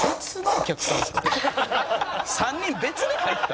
「３人別で入った？」